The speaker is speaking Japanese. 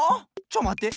ちょまって。